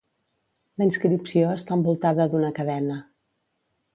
La inscripció està envoltada d'una cadena.